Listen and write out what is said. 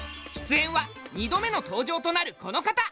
出演は２度目の登場となるこの方！